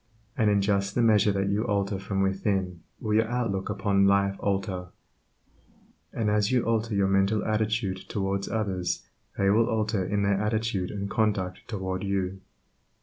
And in just the measure that you alter from within will your outlook upon life alter; and as you alter your mental attitude towards others they will alter in their attitude and conduct toward you.